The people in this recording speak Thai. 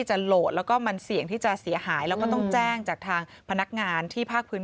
เวลาก็ขนกิต้าหักคาตาเลย